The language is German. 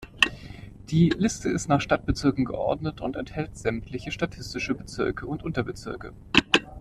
Die Liste ist nach Stadtbezirken geordnet und enthält sämtliche statistische Bezirke und Unterbezirke.